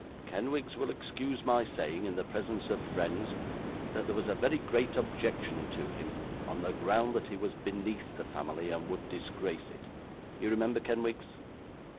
'Kenwigs will excuse my saying, in the presence of friends, that there was a very great objection to him, on the ground that he was beneath the family, and would disgrace it. You remember, Kenwigs?